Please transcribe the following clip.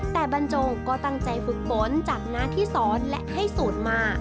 แต่บรรจงก็ตั้งใจฝึกฝนจากน้าที่สอนและให้สูตรมา